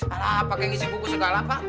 ala pakai ngisi buku segala pak